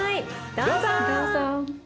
どうぞ！